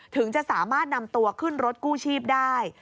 ถึงจะสามารถนำตัวขึ้นรถกู้ชีพได้